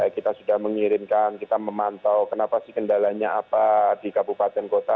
kita sudah mengirimkan kita memantau kenapa sih kendalanya apa di kabupaten kota